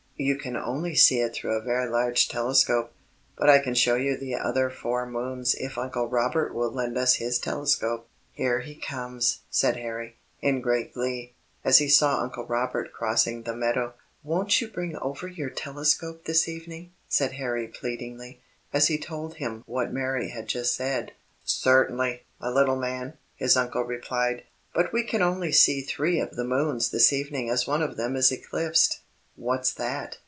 "You can only see it through a very large telescope; but I can show you the other four moons if Uncle Robert will lend us his telescope." "Here he comes," said Harry, in great glee, as he saw Uncle Robert crossing the meadow. "Won't you bring over your telescope this evening?" said Harry pleadingly, as he told him what Mary had just said. "Certainly, my little man," his uncle replied; "but we can only see three of the moons this evening as one of them is eclipsed." "What's that?"